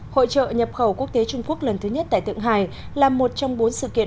hội trợ nhập khẩu quốc tế trung quốc lần thứ nhất tại tượng hải là một trong bốn sự kiện